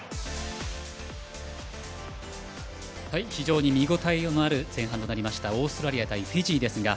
非常に見応えのある前半となりましたオーストラリア対フィジーですが。